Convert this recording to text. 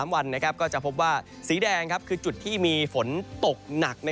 ๓วันก็จะพบว่าสีแดงคือจุดที่มีฝนตกหนัก